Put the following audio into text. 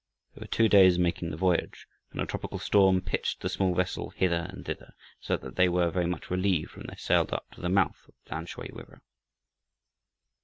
They were two days making the voyage, and a tropical storm pitched the small vessel hither and thither, so that they were very much relieved when they sailed up to the mouth of the Tamsui river.